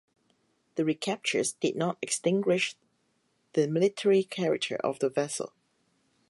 The recaptures did not extinguish the military character of the vessel.